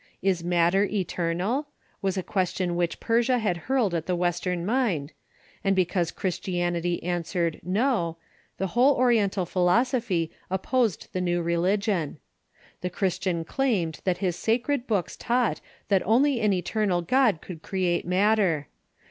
"Is matter eternal?" was a question which Persia had hurled at the West ern mind, and because Christianity answered "No," the whole Oriental philosophy opposed the new relig ion. The Christian claimed that his sacred books taught that only an eternal God could create matter.